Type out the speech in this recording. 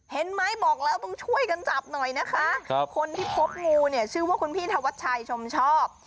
เห็นไหมบอกแล้วมึงช่วยกันจับหน่อยนะคะคนที่พบงูเนี่ยชื่อว่าคุณพี่ธวัชชัยชมชอบ